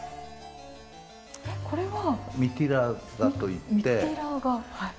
えっこれは？